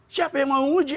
siapa yang mau menguji